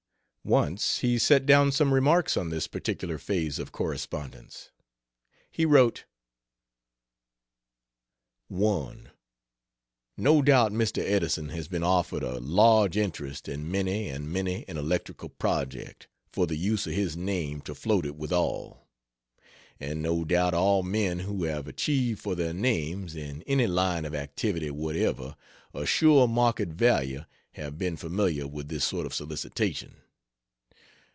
Once he set down some remarks on this particular phase of correspondence. He wrote: I No doubt Mr. Edison has been offered a large interest in many and many an electrical project, for the use of his name to float it withal. And no doubt all men who have achieved for their names, in any line of activity whatever, a sure market value, have been familiar with this sort of solicitation.